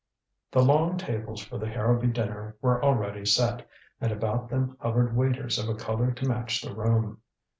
The long tables for the Harrowby dinner were already set, and about them hovered waiters of a color to match the room.